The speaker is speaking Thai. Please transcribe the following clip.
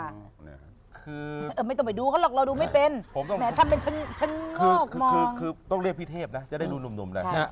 คือไม่ต้องไปดูเขาหรอกเราดูไม่เป็นแหมถ้าเป็นฉันคือคือต้องเรียกพี่เทพนะจะได้ดูหนุ่มแหละ